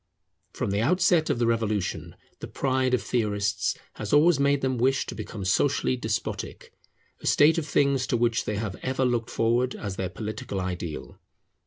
From the outset of the Revolution, the pride of theorists has always made them wish to become socially despotic; a state of things to which they have ever looked forward as their political ideal.